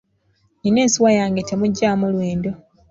Nnina ensuwa yange temugyamu lwendo.